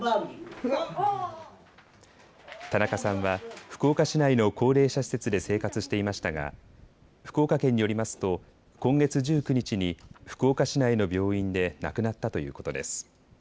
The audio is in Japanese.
田中さんは福岡市内の高齢者施設で生活していましたが福岡県によりますと今月１９日に福岡市内の病院で亡くなったということです。